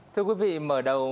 thưa quý vị mở đầu